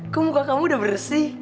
ke muka kamu udah bersih